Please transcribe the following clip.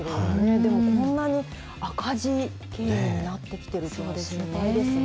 でもこんなに赤字経営になってきているとは、心配ですね。